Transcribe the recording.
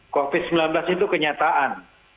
covid sembilan belas itu kenyataan